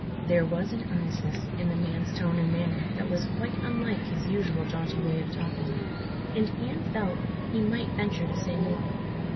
There was an earnestness in the man's tone and manner that was quite unlike his usual jaunty way of talking and Ian felt he might venture to say more.